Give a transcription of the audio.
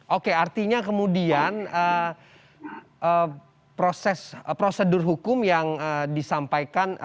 oke artinya kemudian prosedur hukum yang disampaikan